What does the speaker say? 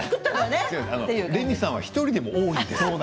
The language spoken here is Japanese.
レミさんは１人でも多いです。